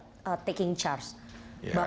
orang yang mengambil tanggung jawab